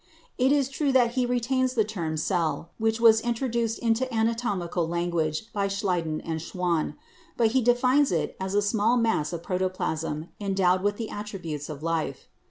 It is true that he retains the term 'cell/ which was introduced into anatomical language by Schleiden and Schwann; but he defines it as a small mass of pro toplasm endowed with the attributes of life.